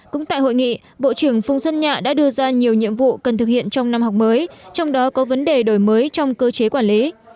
cũng tại hội nghị bộ trưởng phùng xuân nhạ đã đưa ra nhiều nhiệm vụ cần thực hiện trong năm học mới trong đó có vấn đề đổi mới trong cơ chế quản lý